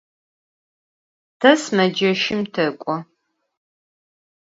Te sımeceşım tek'o.